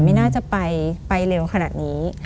ไม่น่าจะไปเร็วขนาดนี้